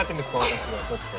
私はちょっと。